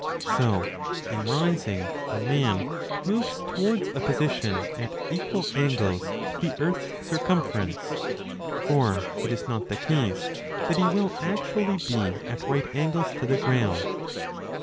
So in rising a man moves towards a position at equal angles to the earth s circum ference ; for it is not the case that he will actually be at right angles to the ground.